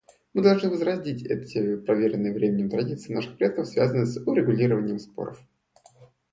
Мы должны возродить эти проверенные временем традиции наших предков, связанные с урегулированием споров.